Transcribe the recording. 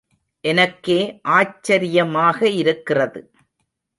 எனக்கே ஆச்சரியமாக இருக்கிறது.